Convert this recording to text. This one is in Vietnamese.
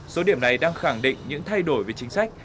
số điểm này đang khẳng định những thay đổi về chính sách